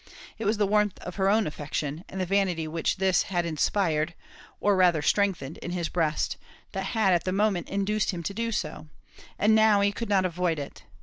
It was the warmth of her own affection, and the vanity which this had inspired, or rather strengthened in his breast, that had at the moment induced him to do so; and now he could not avoid it.